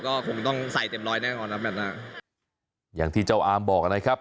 ก็คงต้องใส่เต็มร้อยแน่นอนนะแมทน่ะอย่างที่เจ้าอามบอกนะครับ